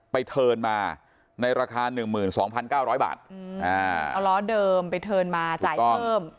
เทินมาในราคา๑๒๙๐๐บาทเอาล้อเดิมไปเทิร์นมาจ่ายเพิ่ม